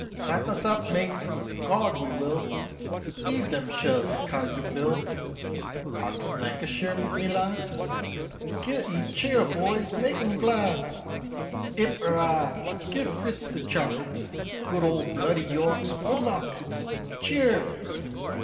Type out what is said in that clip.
"Back us up, mates!" "Gawd, we will!" "'Eave them shells at Kaiser Bill!" "Art from Lancashire, melad?" "Gi' 'en a cheer, boys; make 'en glad." "'Ip 'urrah!" "Give Fritz the chuck." "Good ol' bloody Yorks!" "Good luck!" "Cheer!"